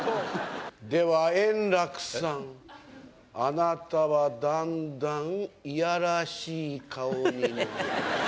では円楽さん、あなたはだんだんいやらしい顔になる。